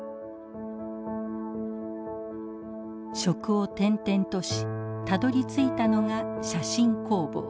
職を転々としたどりついたのが写真工房。